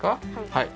はい。